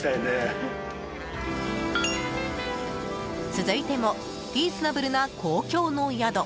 続いてもリーズナブルな公共の宿。